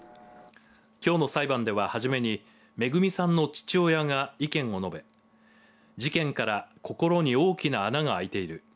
きょうの裁判では、初めに恵さんの父親が意見を述べ事件から心に大きな穴があいている。